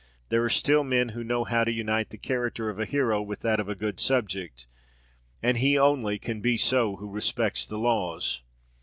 There are still men who know how to unite the character of a hero with that of a good subject; and he only can be so who respects the laws.